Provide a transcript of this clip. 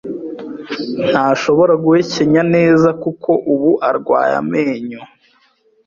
Ntashobora guhekenya neza, kuko ubu arwaye amenyo.